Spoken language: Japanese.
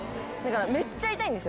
めっちゃ痛いんですよ。